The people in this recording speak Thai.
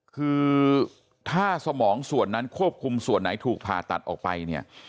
คือถ้าสมองส่วนนั้นควบคุมส่วนไหนถูกผ่าตัดออกไปเนี่ย